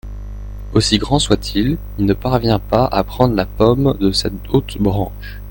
Aussi grand soit-il, il ne parvient pas à prendre la pomme de cette haute branche.